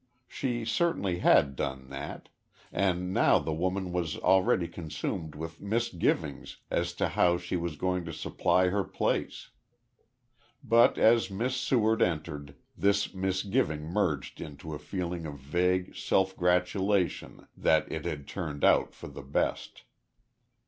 She certainly had done that, and now the woman was already consumed with misgivings as to how she was going to supply her place. But as Miss Seward entered, this misgiving merged into a feeling of vague self gratulation that it had turned out for the best.